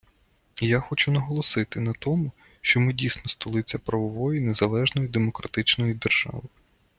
І я хочу наголосити на тому, що ми дійсно - столиця правової незалежної демократичної держави.